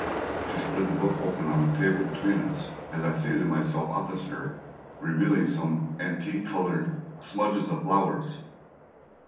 She spread the book open on the table between us, as I seated myself opposite her, revealing some antique coloured smudges of flowers.